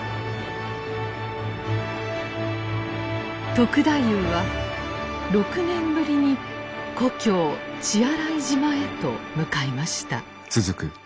篤太夫は６年ぶりに故郷血洗島へと向かいました。